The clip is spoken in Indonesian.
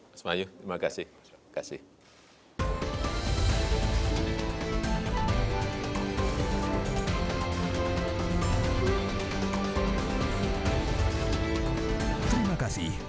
mas mayu terima kasih